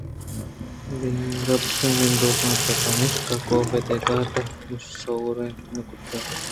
بناربس نندوک ات پمشکا کاف ءَدگہ ڈاہ ءُشور نہ کُت